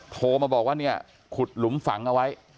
โทรมาบอกว่าเนี่ยขุดหลุมฝังเอาไว้